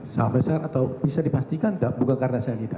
sangat besar atau bisa dipastikan bukan karena cyanida